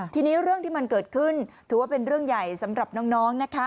ทีนี้เรื่องที่มันเกิดขึ้นถือว่าเป็นเรื่องใหญ่สำหรับน้องนะคะ